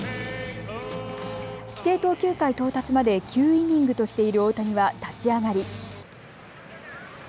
規定投球回到達まで９イニングとしている大谷は立ち上がり。